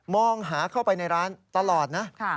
มองหาเข้าไปในร้านตลอดนะ